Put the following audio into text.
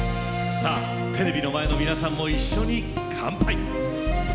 さあテレビの前の皆さんも一緒に乾杯！